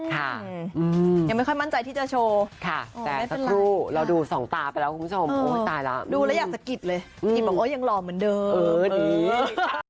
ยังไม่ค่อยมั่นใจที่จะโชว์ค่ะแต่สักครู่เราดูสองตาไปแล้วคุณผู้ชมตายแล้วดูแล้วอยากสะกิดเลยกิดบอกโอ้ยังหล่อเหมือนเดิม